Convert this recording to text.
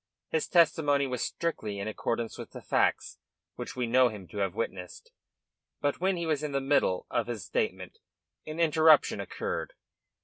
His testimony was strictly in accordance with the facts which we know him to have witnessed, but when he was in the middle of his statement an interruption occurred.